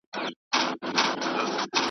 سیلۍ به وړی رژولی یمه .